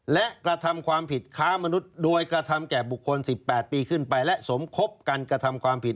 และกระทำความผิดค้ามนุษย์โดยกระทำแก่บุคคล๑๘ปีขึ้นไปและสมคบกันกระทำความผิด